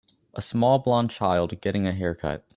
A small blond child getting a haircut